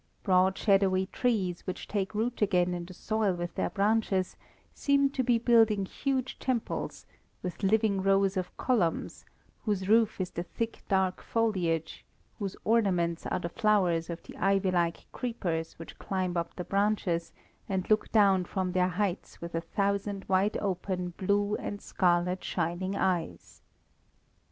Broad shadowy trees, which take root again in the soil with their branches, seem to be building huge temples, with living rows of columns, whose roof is the thick dark foliage, whose ornaments are the flowers of the ivy like creepers which climb up the branches, and look down from their heights with a thousand wide open blue and scarlet shining eyes.